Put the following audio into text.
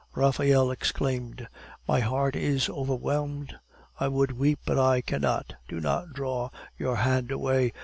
Raphael exclaimed. "My heart is overwhelmed; I would weep, but I cannot. Do not draw your hand away.